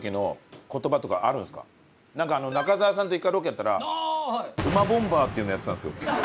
中澤さんと１回ロケやったら「うまボンバー」っていうのやってたんですよ。